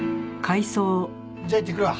じゃあ行ってくるわ。